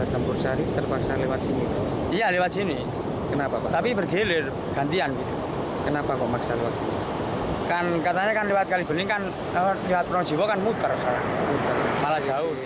tempur satu jam lebih lama